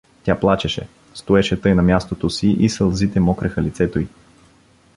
Тя плачеше, стоеше тъй на мястото си и сълзите мокреха лицето й.